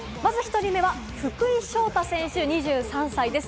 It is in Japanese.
まず１人目は福井翔大選手、２３歳です。